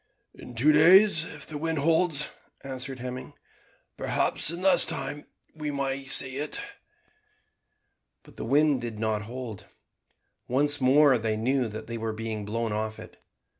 "In two days if the wind holds," answered Hemming; "perhaps in less time we may sight it." But the wind did not hold. Once more they knew that they were being blown off it.